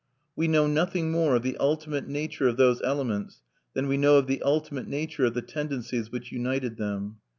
We know nothing more of the ultimate nature of those elements than we know of the ultimate nature of the tendencies which united them.